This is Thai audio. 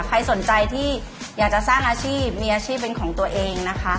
ใครสนใจที่อยากจะสร้างอาชีพมีอาชีพเป็นของตัวเองนะคะ